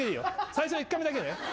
最初の１回目だけね。